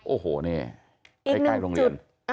โอ้โหนี่ใกล้โรงเรียน